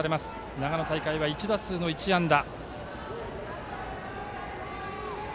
長野大会は１打数１安打。